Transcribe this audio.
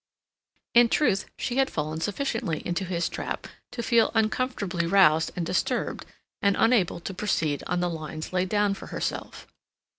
In truth, she had fallen sufficiently into his trap to feel uncomfortably roused and disturbed and unable to proceed on the lines laid down for herself.